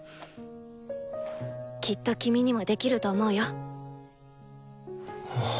きっと君にもできると思うよ。